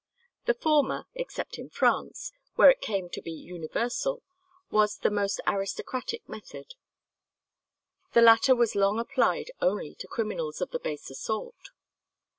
The former, except in France, where it came to be universal, was the most aristocratic method; the latter was long applied only to criminals of the baser sort.